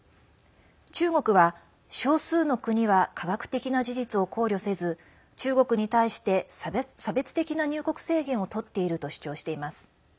中国は、少数の国は科学的な事実を考慮せず中国に対して差別的な入国制限をとっていると主張しています。